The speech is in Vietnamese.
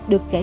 được tìm ra